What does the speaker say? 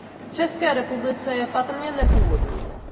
V České republice je patrně nepůvodní.